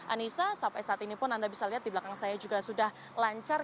anissa sampai saat ini pun anda bisa lihat di belakang saya juga sudah lancar